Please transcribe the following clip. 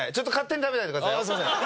ああすいません。